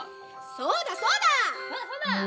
そうだそうだ！